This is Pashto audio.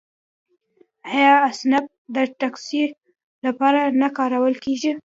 آیا اسنپ د ټکسي لپاره نه کارول کیږي؟